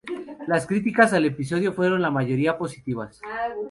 Las críticas al episodio fueron la mayoría positivas.